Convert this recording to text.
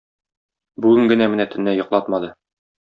Бүген генә менә төнлә йоклатмады